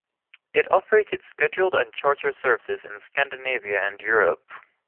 It operated scheduled and charter services in Scandinavia and Europe.